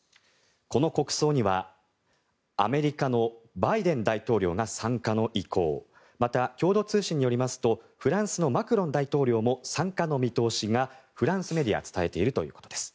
この国葬にはアメリカのバイデン大統領が参加の意向また、共同通信によりますとフランスのマクロン大統領も参加の見通しがフランスメディアが伝えているということです。